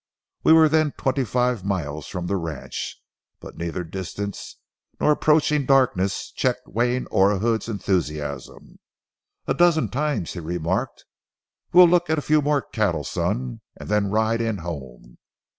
We were then twenty five miles from the ranch. But neither distance nor approaching darkness checked Wayne Orahood's enthusiasm. A dozen times he remarked, "We'll look at a few more cattle, son, and then ride in home."